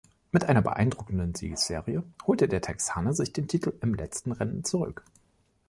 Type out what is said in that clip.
Mit einer beeindruckenden Siegesserie holte der Texaner sich den Titel im letzten Rennen zurück.